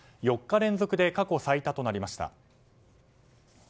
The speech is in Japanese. ４日連続で過去最多となりました。